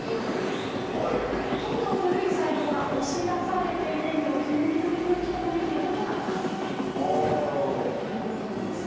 どんどん古い細胞が押し出されていってニョキニョキニョキニョキと伸びていくのが髪の毛だということなんです。